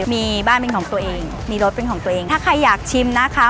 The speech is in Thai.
มีบ้านเป็นของตัวเองมีรสเป็นของตัวเองถ้าใครอยากชิมนะคะ